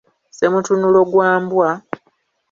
Ssemutunulo gwa mbwa, …